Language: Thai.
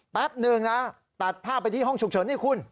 แป๊บนึงนะตัดภาพไปที่ห้องฉุกเฉินนี่คุณ